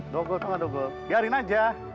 dogel tau gak dogel biarin aja